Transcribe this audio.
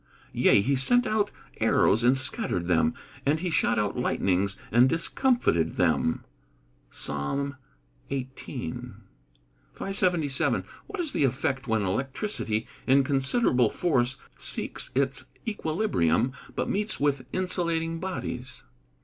[Verse: "Yea, he sent out his arrows, and scattered them; and he shot out lightnings and discomfited them." PSALM XVIII.] 577. _What is the effect when electricity, in considerable force, seeks its equilibrium, but meets with insulating bodies?